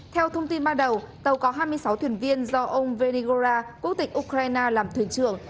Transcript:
theo thông tin ban đầu tàu có hai mươi sáu thuyền viên do ông venigora quốc tịch ukraine làm thuyền trưởng